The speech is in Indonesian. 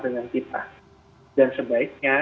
dengan kita dan sebaiknya